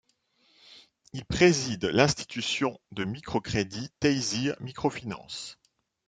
Il préside l'institution de micro-crédit Taysir Microfinance.